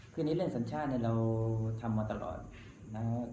คือในเรื่องสัญชาติเนี่ยเราทำมาตลอดนะครับ